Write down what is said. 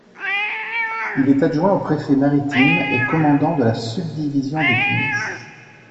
Il est adjoint au préfet maritime et commandant de la subdivision de Tunis.